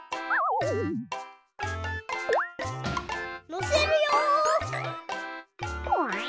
のせるよ。